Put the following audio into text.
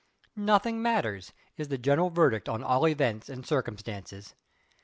"Nothing matters," is the general verdict on all events and circumstances.